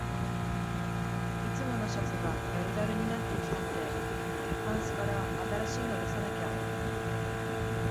いつものシャツがだるだるになってきたので、タンスから新しいの出さなきゃ